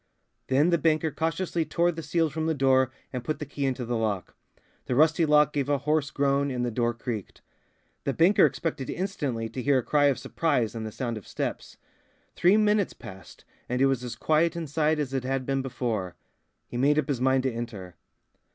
Then the banker cautiously tore the seals from the door and put the key into the lock. The rusty lock gave a hoarse groan and the door creaked. The banker expected instantly to hear a cry of surprise and the sound of steps. Three minutes passed and it was as quiet inside as it had been before. He made up his mind to enter.